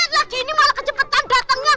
lagi ini malah kecepatan datangnya